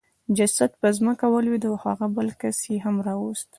جسد په ځمکه ولوېد او هغه بل کس یې هم راوست